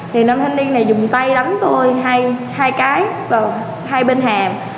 thì nam thanh niên này dùng tay đánh tôi hai cái vào hai bên hàng